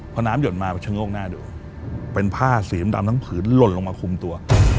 พอน้ำหยดมามันชะโงกหน้าดูเป็นผ้าสีดำทั้งผืนหล่นลงมาคุมตัว